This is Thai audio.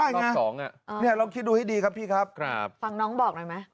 รอบสองอ่ะเนี่ยลองคิดดูให้ดีครับพี่ครับครับฟังน้องบอกหน่อยไหม